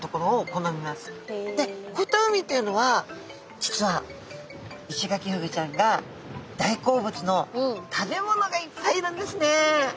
こういった海っていうのは実はイシガキフグちゃんが大好物の食べ物がいっぱいいるんですね。